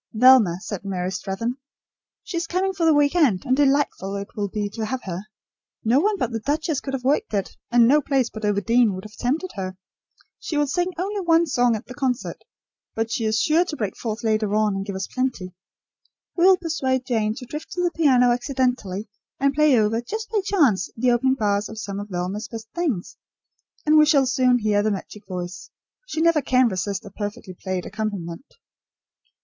"Velma," said Mary Strathern. "She is coming for the week end, and delightful it will be to have her. No one but the duchess could have worked it, and no place but Overdene would have tempted her. She will sing only one song at the concert; but she is sure to break forth later on, and give us plenty. We will persuade Jane to drift to the piano accidentally and play over, just by chance, the opening bars of some of Velma's best things, and we shall soon hear the magic voice. She never can resist a perfectly played accompaniment."